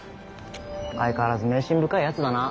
相変わらず迷信深いやつだな。